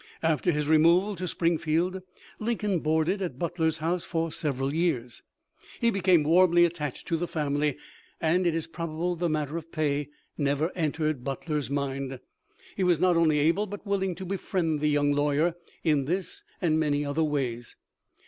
After his removal to Spring field, Lincoln boarded at Butler's house for several years. He became warmly attached to the family, 1 86 TBE LIFE OF LINCOLN'. and it is probable the matter of pay never entered Butler's mind. He was not only able but willing to befriend the young lawyer in this and many other ways.